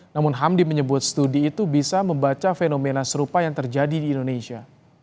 namun hamdi menyebut studi itu bisa membaca fenomena serupa yang terjadi di indonesia